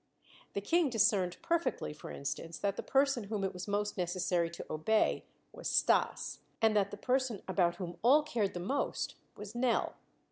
The King discerned perfectly, for instance, that the person whom it was most necessary to obey was Stas, and that the person about whom all cared the most was Nell.